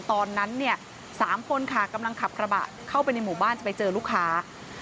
ตอนนั้นเนี่ย๓คนค่ะกำลังขับกระบะเข้าไปในหมู่บ้านจะไปเจอลูกค้า